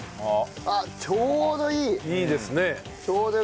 あっちょうどいい！いいですね。